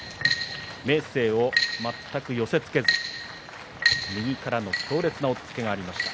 明生を全く寄せつけず右からの強烈な押っつけがありました。